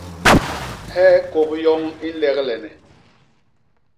Hee kôp yoñ i nleglene.